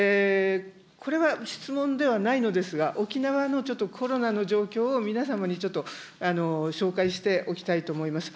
これは質問ではないのですが、沖縄のちょっとコロナの状況を皆様にちょっと紹介しておきたいと思います。